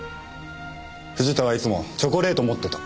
藤田はいつもチョコレートを持ってた。